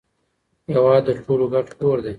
هیواد د ټولو ګډ کور دی.